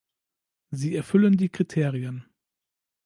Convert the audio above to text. Sie erfüllen die Kriterien.